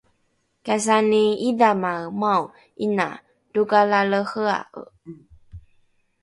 kasani idhamaemao ’ina tokalalehea’e